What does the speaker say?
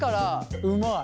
うまい。